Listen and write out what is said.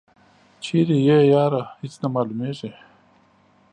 چیری یی یاره هیڅ نه معلومیږي.